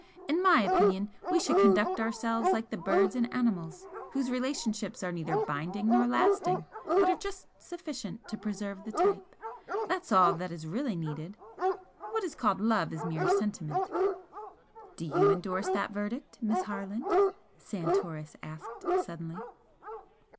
"In my opinion we should conduct ourselves like the birds and animals, whose relationships are neither binding nor lasting, but are just sufficient to preserve the type. That's all that is really needed. What is called love is mere sentiment." "Do you endorse that verdict, Miss Harland?" Santoris asked, suddenly.